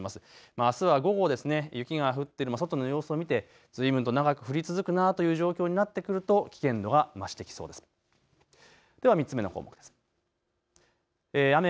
あすは午後は雪が降って外の様子を見てずいぶんと長く降り続くなという状況になってくると危険度が増してきそうです。